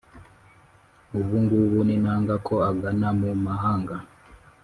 Ubu ngubu ninanga Ko agana mu mahanga